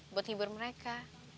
buat nghibur mereka